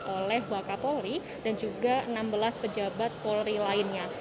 oleh wakapolri dan juga enam belas pejabat polri lainnya